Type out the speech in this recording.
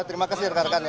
terima kasih rekan rekan ya